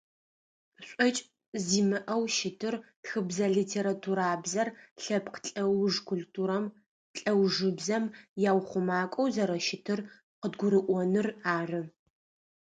ШӀокӏ зимыӏэу щытыр тхыбзэ-литературабзэр лъэпкъ лӏэуж культурэм, лӏэужыбзэм яухъумакӏоу зэрэщытыр къыдгурыӏоныр ары.